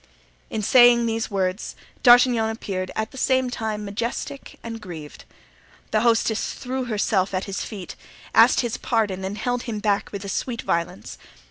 In saying these words D'Artagnan appeared at the same time majestic and grieved. The hostess threw herself at his feet, asked his pardon and held him back with a sweet violence.